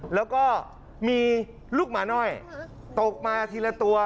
แล้วก็มีลูกหมาน่อยตกมาทีละตัว